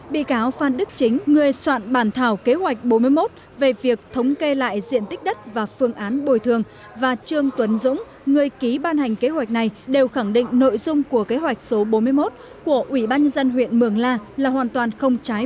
bị cáo phan đức chính người soạn bản thảo kế hoạch bốn mươi một về việc thống kê lại diện tích đất và phương án bồi thường và trương tuấn dũng người ký ban hành kế hoạch này đều khẳng định nội dung của kế hoạch số bốn mươi một của ủy ban dân huyện mường la là hoàn toàn không trái